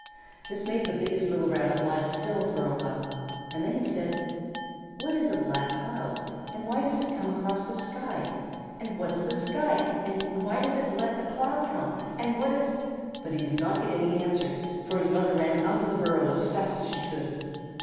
This made the biggest little Rabbit lie still for a while, and then he said: "What is a black cloud, and why does it come across the sky? And what is the sky, and why does it let the cloud come? And what is " But he did not get any answer, for his mother ran out of the burrow as fast as she could.